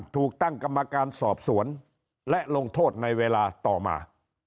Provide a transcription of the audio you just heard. ถูกตั้งกรรมการสอบสวนและลงโทษในเวลาต่อมา